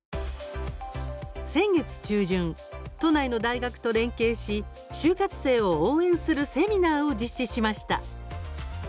先月中旬、都内の大学と連携し就活生を応援するセミナーを実施しました。